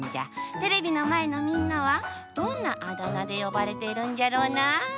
テレビのまえのみんなはどんなあだなでよばれてるんじゃろうな。